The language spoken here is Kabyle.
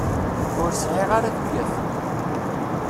Ur sεiɣ ara tuyat.